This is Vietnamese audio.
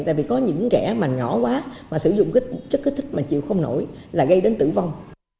tại vì có những trẻ mà nhỏ quá mà sử dụng cái chất kích thích mà chịu không nổi là gây đến tử vong